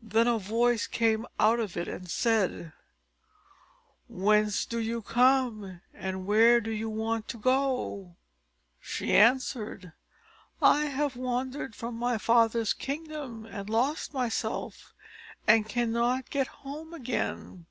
Then a voice came out of it, and said, "Whence do you come, and where do you want to go?" She answered, "I have wandered from my father's kingdom, and lost myself, and cannot get home again."